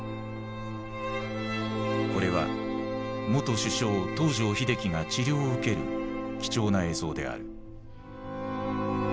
これは元首相東条英機が治療を受ける貴重な映像である。